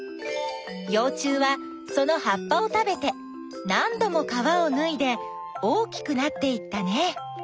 よう虫はそのはっぱを食べてなんども皮をぬいで大きくなっていったね。